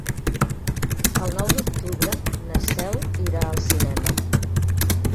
El nou d'octubre na Cel irà al cinema.